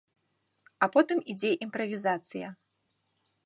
А потым ідзе імправізацыя.